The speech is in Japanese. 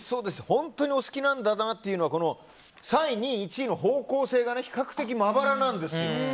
本当にお好きなんだなというのがこの３位、２位、１位の方向性が比較的まばらなんですよ。